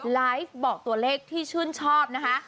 ไลฟ์บอกตัวเลขที่ชื่นชอบนะคะ